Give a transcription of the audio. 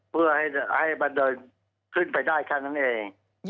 เพื่อให้มันเดินขึ้นไปได้แค่นั้นเอง